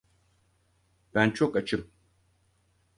Ben çok açım.